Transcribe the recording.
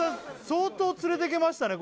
相当つれてけましたね